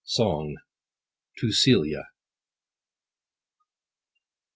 — SONG. — TO CELIA.